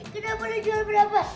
kena boleh jual berapa